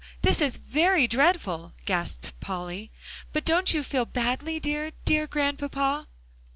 this is very dreadful," gasped Polly, "but don't you feel badly, dear, dear Grandpapa."